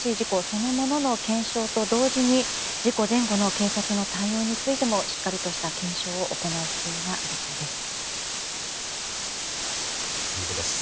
そのものの検証と同時に事故前後の警察の対応についてもしっかりとした検証を行う必要がありそうです。